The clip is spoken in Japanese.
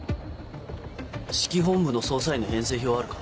指揮本部の捜査員の編成表はあるか？